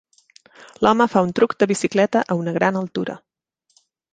L'home fa un truc de bicicleta a una gran altura.